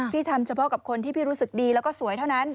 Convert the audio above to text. พี่ทำเฉพาะกับคนที่พี่รู้สึกดีแล้วก็สวยเท่านั้น